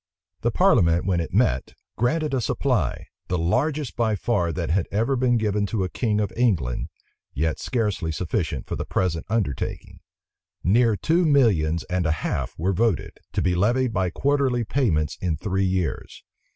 The parliament, when it met, granted a supply, the largest by far that had ever been given to a king of England, yet scarcely sufficient for the present undertaking. Near two millions and a half were voted, to be levied by quarterly payments in three years.